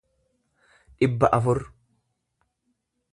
dhibba afur